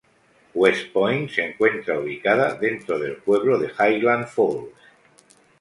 West Point se encuentra ubicada dentro del pueblo de Highland Falls.